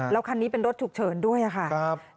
แล้วคันนี้เป็นรถฉุกเฉินด้วยค่ะ